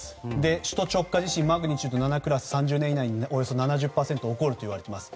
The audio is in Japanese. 首都直下地震マグニチュード７クラスが３０年以内におよそ７０％起こるといわれています。